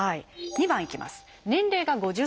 ２番いきます。